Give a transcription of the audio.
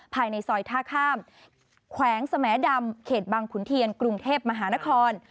ภายในซอยท่าข้ามแขวงสแหมดำเขตบังขุนเทียนกรุงเทพมหานคร